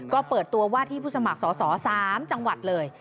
ก็เปิดตัวว่าที่ผู้สมัครสอสอ๓จังหวัดเลย